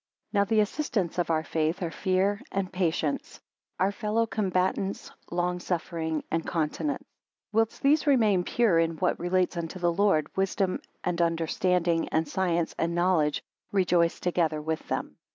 2 Now the assistants of our faith are fear and patience; our fellow combatants, long suffering and continence. 3 Whilst these remain pure in what relates unto the Lord, wisdom, and understanding, and science, and knowledge, rejoice together with them.